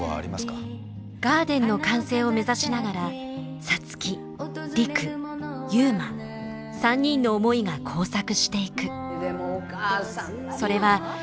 ガーデンの完成を目指しながら皐月陸悠磨３人の思いが交錯していく。